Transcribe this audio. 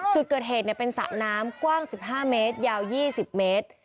จุดเกิดเหตุเป็นสระน้ำกว้าง๑๕เมตรยาว๒๐เมตร